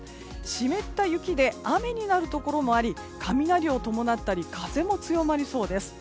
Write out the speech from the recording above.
湿った雪で雨になるところもあり雷を伴ったり風も強まりそうです。